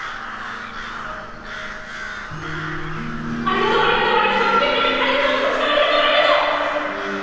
ありがとうありがとうありがとう来てくれてありがとう吾作さんありがとうありがとう。